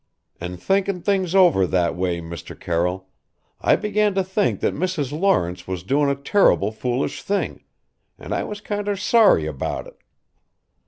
"An' thinkin' things over that way, Mr. Carroll I began to think that Mrs. Lawrence was doin' a terrible foolish thing, and I was kinder sorry about it.